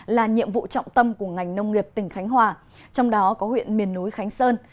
là nhiệm vụ trọng tâm của ngành nông nghiệp tỉnh khánh hòa trong đó có huyện miền núi khánh sơn